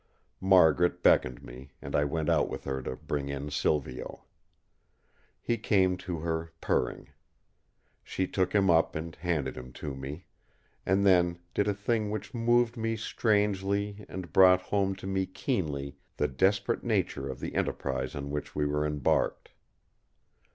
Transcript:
Margaret beckoned me, and I went out with her to bring in Silvio. He came to her purring. She took him up and handed him to me; and then did a thing which moved me strangely and brought home to me keenly the desperate nature of the enterprise on which we were embarked.